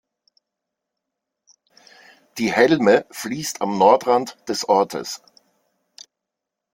Die Helme fließt am Nordrand des Ortes.